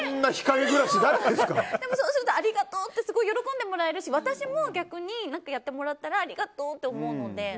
でも、そうするとありがとうって喜んでもらえるし私も逆にやってもらったらありがとうって思うので。